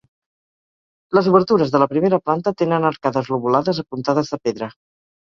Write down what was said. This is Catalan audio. Les obertures de la primera planta tenen arcades lobulades apuntades de pedra.